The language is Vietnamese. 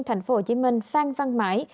tp hcm phan văn mãi